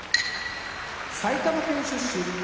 埼玉県出身